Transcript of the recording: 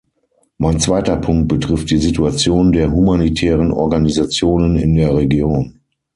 Mein zweiter Punkt betrifft die Situation der humanitären Organisationen in der Region.